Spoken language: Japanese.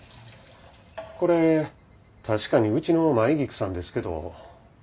これ確かにうちの舞菊さんですけど。